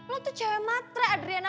lo tuh cewek matre adriana